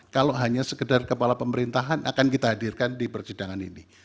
kalau hanya sekedar kepala pemerintahan akan kita hadirkan di persidangan ini